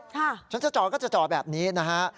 ฉันจะจอดก็จะจอดแบบนี้นะฮะ